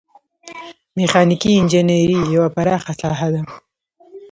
میخانیکي انجنیری یوه پراخه ساحه ده.